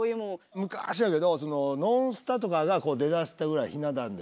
昔やけどノンスタとかが出だしたぐらいひな壇で。